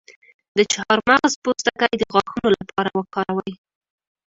د چارمغز پوستکی د غاښونو لپاره وکاروئ